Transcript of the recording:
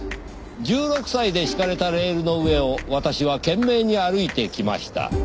「１６歳で敷かれたレールの上を私は懸命に歩いてきました」